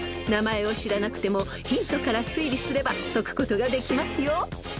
［名前を知らなくてもヒントから推理すれば解くことができますよ］